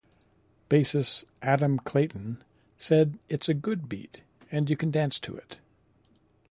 Bassist Adam Clayton said It's a good beat and you can dance to it.